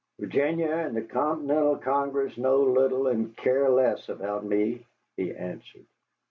"Virginia and the Continental Congress know little and care less about me," he answered.